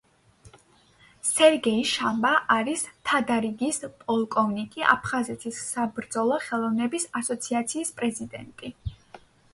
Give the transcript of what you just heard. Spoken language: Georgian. სერგეი შამბა არის თადარიგის პოლკოვნიკი, აფხაზეთის საბრძოლო ხელოვნების ასოციაციის პრეზიდენტი.